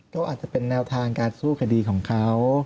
ก็อาจจะเป็นแนวทางการสู้คดีของเขา